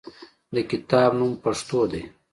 د کتاب نوم "پښتو" دی.